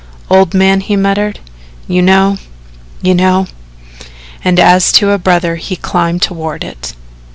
"Old man," he muttered, "you know you know." And as to a brother he climbed toward it.